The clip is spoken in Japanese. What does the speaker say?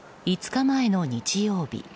５日前の日曜日。